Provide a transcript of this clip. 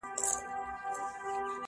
په سړه سینه ځواب ورکړه